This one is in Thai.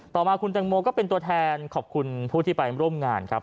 ต่อมาคุณแตงโมก็เป็นตัวแทนขอบคุณผู้ที่ไปร่วมงานครับ